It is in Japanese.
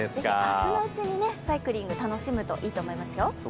明日のうちにサイクリング楽しむといいと思いますよ。